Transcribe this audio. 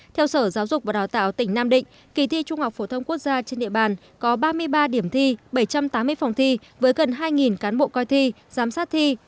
theo sở giáo dục và đào tạo tỉnh nam định kỳ thi trung học phổ thông quốc gia trên địa bàn có ba mươi ba điểm thi bảy trăm tám mươi phòng thi với gần hai cán bộ coi thi giám sát thi